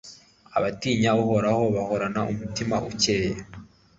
abatinya uhoraho bahorana umutima ukeye